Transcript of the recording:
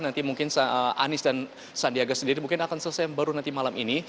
nanti mungkin anies dan sandiaga sendiri mungkin akan selesai baru nanti malam ini